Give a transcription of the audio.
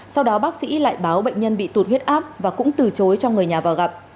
sau đó bác sĩ lại báo bệnh nhân bị tụt huyết áp và cũng từ chối cho người nhà vào gặp